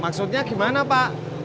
maksudnya gimana pak